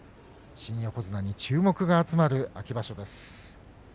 新横綱に注目が集まる秋場所です。